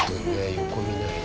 横見ないね。